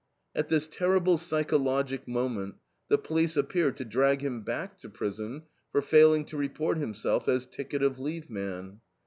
At this terrible psychologic moment the police appear to drag him back to prison for failing to report himself as ticket of leave man.